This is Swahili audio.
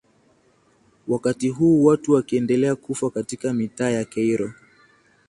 wakati huu watu wakiendelea kufa katika mitaa ya cairo